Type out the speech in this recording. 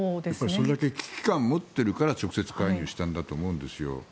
それだけ危機感を持っているから直接介入したんだと思うんですよ。